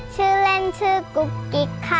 ชื่อเล่นชื่อกุ๊กกิ๊กค่ะ